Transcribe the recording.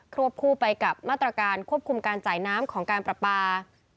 วบคู่ไปกับมาตรการควบคุมการจ่ายน้ำของการปรับปลา